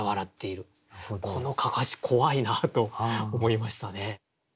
この案山子怖いなと思いましたね。